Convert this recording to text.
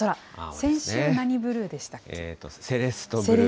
先週は何ブルーでしたっけ？